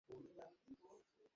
তুমি শুধু নিজের কথাই ভাবো।